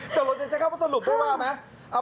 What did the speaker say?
จริงจะใช้คำว่าสรุปได้ว่าไหม